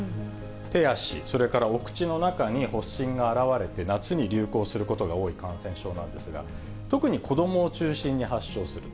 手足、それからお口の中に発疹が表れて、夏に流行することが多い感染症なんですが、特に子どもを中心に発症する。